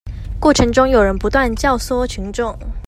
過程中有人不斷教唆群眾